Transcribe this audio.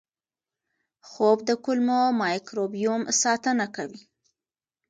خوب د کولمو مایکروبیوم ساتنه کوي.